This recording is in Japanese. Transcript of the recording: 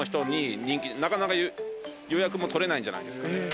なかなか予約も取れないんじゃないんですか。